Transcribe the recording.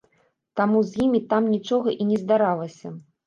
Таму з імі там нічога і не здаралася.